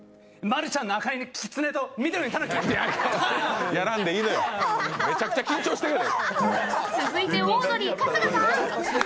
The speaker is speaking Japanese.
マルちゃんの赤いきつねと緑のたぬき！やらんでいいのよ、めちゃくちゃ緊張してる。